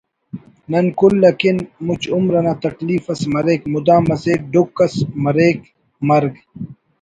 نن کل اکن مچ عمر انا تکلیف اس مریک مدام اسہ ڈکھ اس مریک مرک